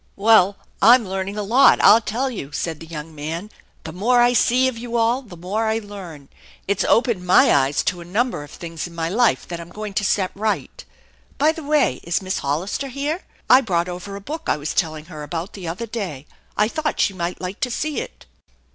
"Well, I'm learning a lot, I tell you!" said the young man. " The more I see of you all, the more I learn. If s opened my eyes to a number of things in my life that I'm going to set right. By the way, is Miss Hollister here? I brought over a book I was telling her about the other day. I thought she might like to see it."